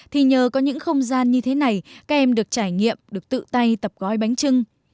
thì nhờ có những không gian như thế này các em được trải nghiệm được tự tay tập gói bánh trưng